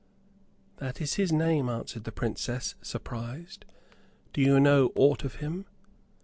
"That is his name," answered the Princess, surprised; "do you know aught of him?"